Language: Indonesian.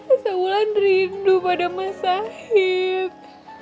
esaulah rindu pada mas sahib